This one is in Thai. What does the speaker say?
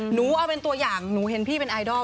หนูเอาเป็นตัวอย่างหนูเห็นพี่เป็นไอดอล